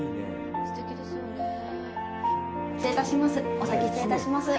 お先に失礼いたします。